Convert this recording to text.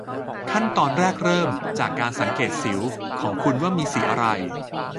ขั้นตอนแรกเริ่มจากการสังเกตสิวของคุณว่ามีสีอะไร